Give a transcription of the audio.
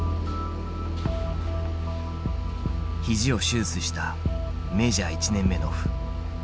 肘を手術したメジャー１年目のオフ。